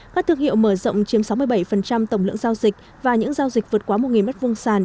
các thương hiệu mở rộng chiếm sáu mươi bảy tổng lượng giao dịch và những giao dịch vượt quá một m hai sản